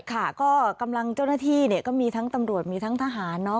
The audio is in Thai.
ค่ะก็กำลังเจ้าหน้าที่เนี่ยก็มีทั้งตำรวจมีทั้งทหาร